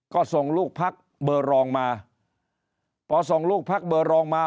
ก็ส่งลูกพักเบอร์รองมาพอส่งลูกพักเบอร์รองมา